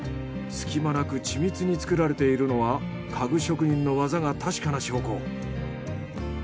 隙間なく緻密に作られているのは家具職人の技が確かな証拠。